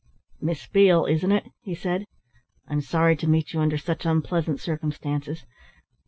"Miss Beale, isn't it?" he said. "I'm sorry to meet you under such unpleasant circumstances.